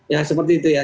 ya seperti itu ya